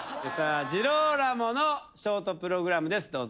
さあジローラモのショートプログラムです